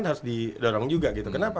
harus didorong juga gitu kenapa